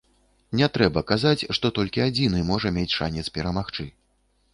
Не трэба казаць, што толькі адзіны можа мець шанец перамагчы.